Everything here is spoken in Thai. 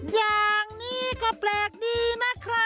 อย่างนี้ก็แปลกดีนะครับ